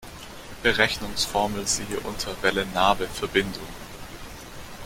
Berechnungsformel siehe unter Welle-Nabe-Verbindung.